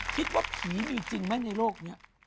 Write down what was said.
คิดว่าผีมีจริงไหมในโลกนี้